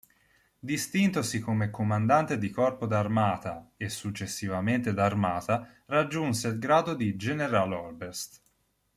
Distintosi come comandante di Corpo d'armata, e successivamente d'Armata, raggiunse il grado di Generaloberst.